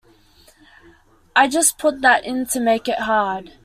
I just put that in to make it hard.